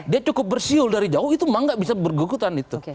dia cukup bersiul dari jauh itu memang nggak bisa bergugutan itu